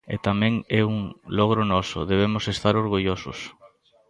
E tamén é un logro noso, debemos estar orgullosos.